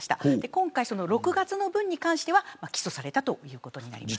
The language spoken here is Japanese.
今回の６月の分に関しては起訴されたということです。